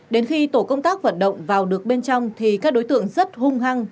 đến khi tổ công tác vận động vào được bên trong thì các đối tượng rất hung hăng